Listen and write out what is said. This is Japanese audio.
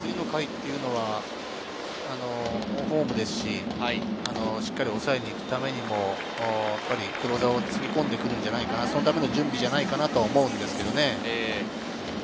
なので次の回っていうのは、ホームですし、しっかり抑えに行くためにも、やっぱりクローザーをつぎ込んでくるんじゃないかな、そんなふうな準備じゃないかなと思うんですよね。